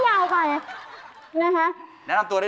เฮ้เฮ้เฮ้เฮ้เฮ้เฮ้เฮ้